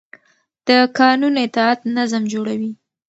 د قانون اطاعت نظم جوړوي